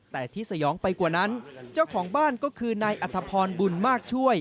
แต่ที่สยองไปกว่านั้นเจ้าของบ้านก็คือนายอัธพรบุญมากช่วย